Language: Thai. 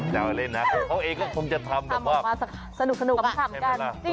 อย่าเล่นนะเขาเองก็คงจะทำแบบว่าคำคำกัน